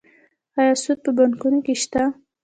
آیا سود په بانکونو کې شته؟